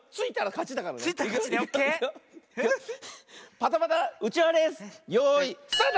パタパタうちわレースよいスタート！